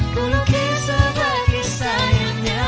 kau lukis sebuah kisah yang nyata